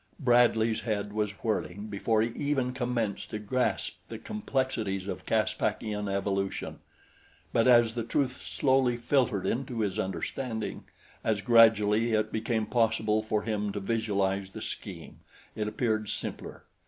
Bradley's head was whirling before he even commenced to grasp the complexities of Caspakian evolution; but as the truth slowly filtered into his understanding as gradually it became possible for him to visualize the scheme, it appeared simpler.